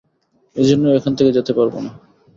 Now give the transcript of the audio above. এজন্যই এখান থেকে যেতে পারব না।